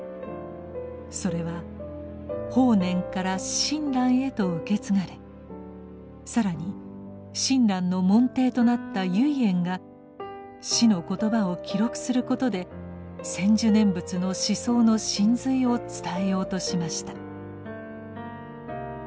それは法然から親鸞へと受け継がれ更に親鸞の門弟となった唯円が師の言葉を記録することで「専修念仏」の思想の神髄を伝えようとしました。